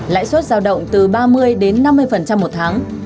lãi suất giao động từ ba mươi đến năm mươi một tháng